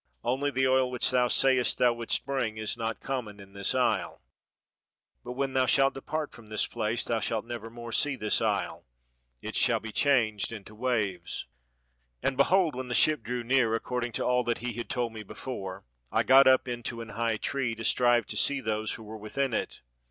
Only the oil which thou sayest thou wouldst bring is not common in this isle. But, when thou shalt 44 THE SHIPWRECKED SAH^OR depart from this place, thou shalt never more see this isle; it shall be changed into waves.' "And behold, when the ship drew near, according to all that he had told me before, I got up into an high tree, to strive to see those who were within it.